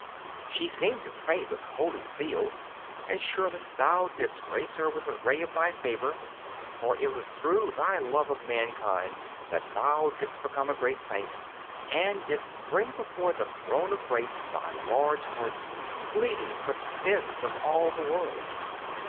She seemed to pray with holy zeal, and surely thou didst grace her with a ray of thy favour, for it was through thy love of mankind that thou didst become a great saint, and didst bring before the Throne of Grace thy large heart, bleeding for the sins of all the world.